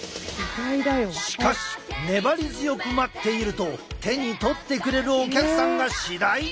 しかし粘り強く待っていると手に取ってくれるお客さんが次第に増えてきた。